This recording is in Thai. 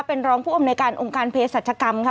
เป็นรองผู้อำนวยการองค์การเพศรัชกรรมค่ะ